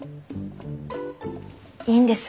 いいんです